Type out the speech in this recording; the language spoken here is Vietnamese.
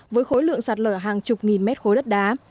với khối lượng sạt lở hàng chục nghìn mét khối đất đá